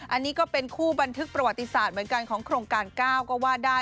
อันนี้ก็เป็นคู่บันทึกประวัติศาสตร์เหมือนกันของโครงการ๙ก็ว่าได้